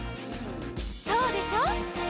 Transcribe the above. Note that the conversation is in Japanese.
「そうでしょ？」